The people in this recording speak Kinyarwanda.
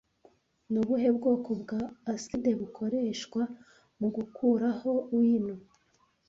Ni ubuhe bwoko bwa acide bukoreshwa mugukuraho wino